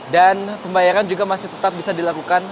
dan pembayaran juga masih tetap bisa dilakukan